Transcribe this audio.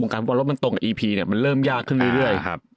วงการฟุตบอลมันตรงกับอีพีเนี่ยมันเริ่มยากขึ้นเรื่อยเรื่อยอ่าครับ